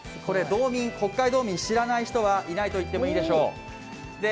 北海道民知らない人はいないと言ってもいいでしょう。